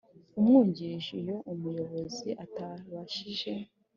Umwungirije iyo umuyobozi atabashije